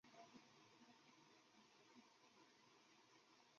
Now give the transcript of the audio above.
目前未有任何亚种。